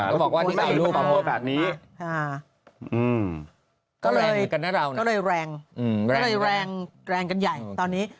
แล้วบอกว่าที่แมทรูปแบบนี้ก็เลยแรงกันใหญ่ตอนนี้